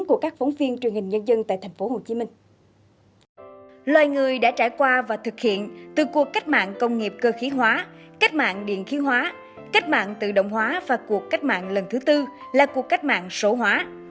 cục cách mạng công nghiệp bốn đã qua và thực hiện từ cuộc cách mạng công nghiệp cơ khí hóa cách mạng điện khí hóa cách mạng tự động hóa và cuộc cách mạng lần thứ tư là cuộc cách mạng sổ hóa